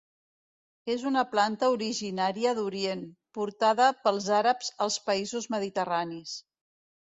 És una planta originària d'Orient, portada pels àrabs als països mediterranis.